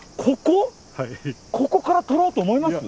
ここから撮ろうと思います？